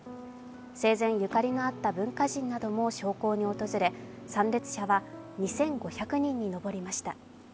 生前、ゆかりのあった文化人なども焼香に訪れ参列者は２５００人にのぼりました。